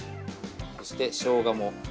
そしてしょうがも。